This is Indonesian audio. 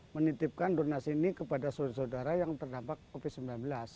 menitipkan donasi ini kepada saudara saudara yang terdampak covid sembilan belas